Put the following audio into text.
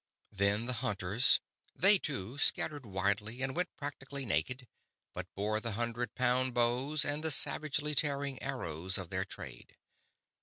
Then the hunters. They, too, scattered widely and went practically naked: but bore the hundred pound bows and the savagely tearing arrows of their trade.